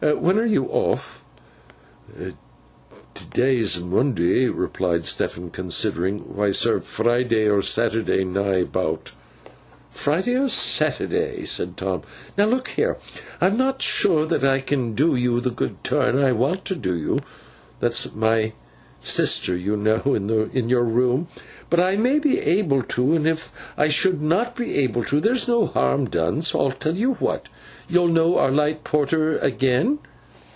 When are you off?' 'T' day's Monday,' replied Stephen, considering. 'Why, sir, Friday or Saturday, nigh 'bout.' 'Friday or Saturday,' said Tom. 'Now look here! I am not sure that I can do you the good turn I want to do you—that's my sister, you know, in your room—but I may be able to, and if I should not be able to, there's no harm done. So I tell you what. You'll know our light porter again?